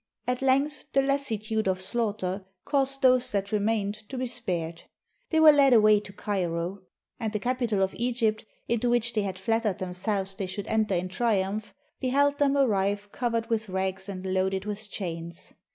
At length the lassitude of slaughter caused those that remained to be spared. They were led away to Cairo; and the capital of Egypt, into which they had flattered themselves they should enter in triumph, beheld them arrive covered with rags and loaded with chains.